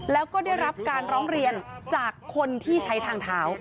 แล้วก็ได้รับการร้องเรียนจากคนที่ใช้ทางเท้า